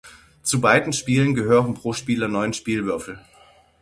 Zu beiden Spielen gehören pro Spieler neun Spielwürfel.